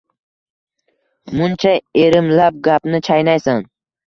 Muncha erimlab gapni chaynaysan